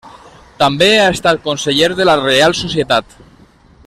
També ha estat conseller de la Reial Societat.